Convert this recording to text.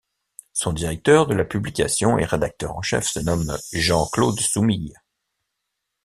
Son directeur de la publication et rédacteur en chef se nomme Jean-Claude Soumille.